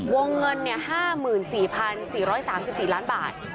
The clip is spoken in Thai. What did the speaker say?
วงเงิน๕๔๔๓๔ล้านบาท